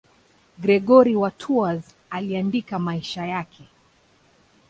Gregori wa Tours aliandika maisha yake.